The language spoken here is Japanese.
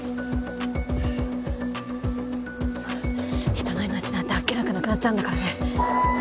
人の命なんてあっけなくなくなっちゃうんだからね。